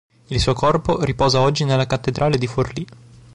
Il suo corpo riposa oggi nella Cattedrale di Forlì.